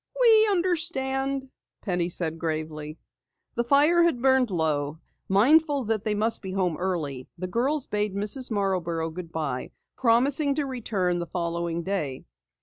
"We understand," Penny said gravely. The fire had burned low. Mindful that they must be home early, the girls bade Mrs. Marborough goodbye, promising to return the following day.